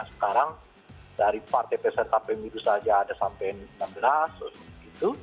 sekarang dari partai peserta pemilu saja ada sampai enam belas